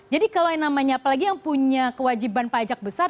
jadi kalau yang namanya apalagi yang punya kewajiban pajak besar